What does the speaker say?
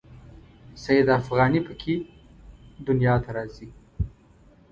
سید افغاني په کې دنیا ته راځي.